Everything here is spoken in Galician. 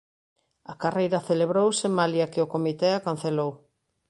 A carreira celebrouse malia que o comité a cancelou.